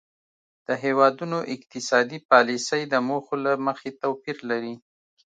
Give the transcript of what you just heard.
د هیوادونو اقتصادي پالیسۍ د موخو له مخې توپیر لري